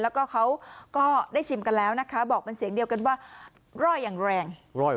แล้วก็เขาก็ได้ชิมกันแล้วนะคะบอกเป็นเสียงเดียวกันว่าร่อยอย่างแรง